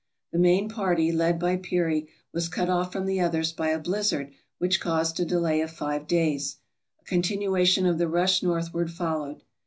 The main party, led by Peary, was cut off from the others by a blizzard which caused a delay of five days. A continuation of the rush northward followed.